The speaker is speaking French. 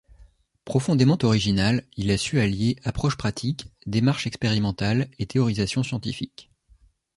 Profondément original, il a su allier approche pratique, démarche expérimentale et théorisation scientifique.